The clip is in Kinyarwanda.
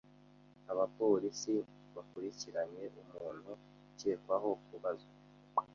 Abapolisi bakurikiranye umuntu ukekwaho kubazwa.